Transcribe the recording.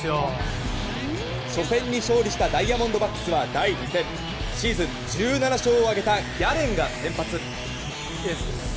初戦に勝利したダイヤモンドバックスは第２戦シーズン１７勝を挙げたギャレンが先発。